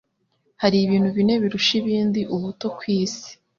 Hari ibintu bine birusha ibindi ubuto ku isi